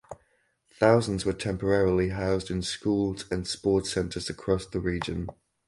Thousands were temporarily housed in schools and sport centres across the region.